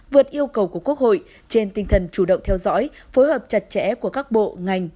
vượt yêu cầu của quốc hội trên tinh thần chủ động theo dõi phối hợp chặt chẽ của các bộ ngành